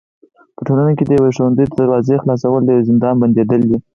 په ټولنه کي د يوي ښوونځي د دروازي خلاصول د يوه زندان بنديدل دي.